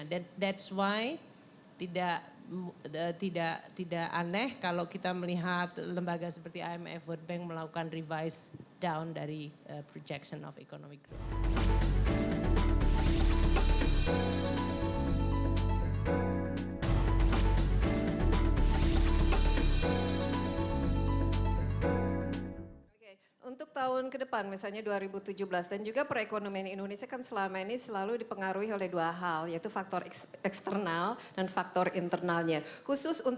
that's why tidak aneh kalau kita melihat lembaga seperti imf world bank melakukan revise down dari projection of economic growth